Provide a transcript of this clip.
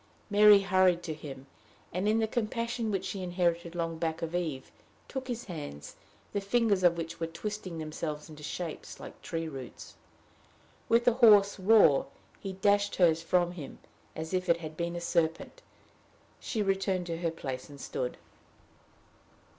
Mary hurried to him, and, in the compassion which she inherited long back of Eve, took his hand, the fingers of which were twisting themselves into shapes like tree roots. With a hoarse roar, he dashed hers from him, as if it had been a serpent. She returned to her place, and stood.